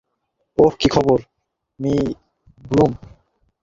ওহ, কি খবর, Mr Bloom.